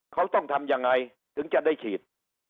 เขาต้องทำยังไงถึงจะได้ฉีด